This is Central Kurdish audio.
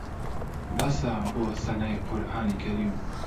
بەسە بۆ سەنای قورئانی کەریم